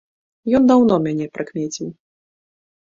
Ён даўно мяне прыкмеціў.